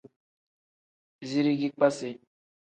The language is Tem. Zirigi kpasi.